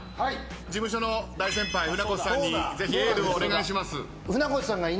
事務所の大先輩船越さんにぜひエールをお願いします。